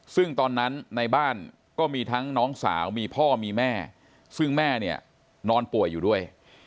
ซึ่งตอนนั้นในบ้านก็มีทั้งน้องสาวมีพ่อมีแม่ซึ่งแม่เนี่ยนอนป่วยอยู่ด้วย